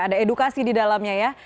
ada edukasi di dalamnya ya